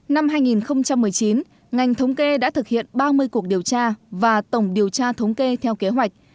năm hai nghìn một mươi chín ngành thống kê đã thực hiện ba mươi cuộc điều tra và tổng điều tra thống kê theo kế hoạch